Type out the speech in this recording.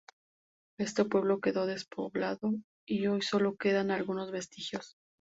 Este pueblo quedó despoblado y hoy sólo quedan algunos vestigios.